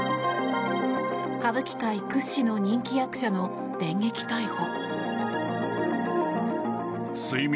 歌舞伎界屈指の人気役者の電撃逮捕。